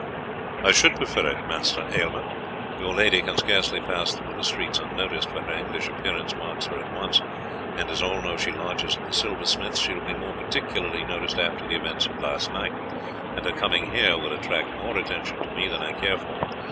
"I should prefer it, Master Aylmer. Your lady can scarce pass through the streets unnoticed, for her English appearance marks her at once; and as all know she lodges at the silversmith's, she will be more particularly noticed after the events of last night, and her coming here will attract more attention to me than I care for.